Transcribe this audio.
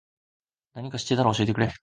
なにか知ってたら教えてくれ。